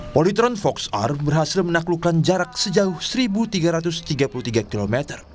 polytron fox air berhasil menaklukkan jarak sejauh seribu tiga ratus tiga puluh tiga km